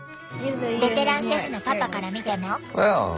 ベテランシェフのパパから見ても？